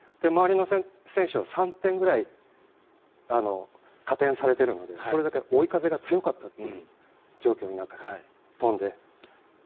周りの選手は３点ぐらい加点されているのでそれだけ追い風が強かったっていう状況の中で飛んで。